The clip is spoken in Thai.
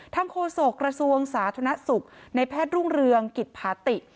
ทั้งโคสกรสวงสาธุนัสศุกร์ในแพทย์รุ่งเรืองกิจภาติ